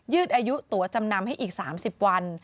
อายุตัวจำนำให้อีก๓๐วัน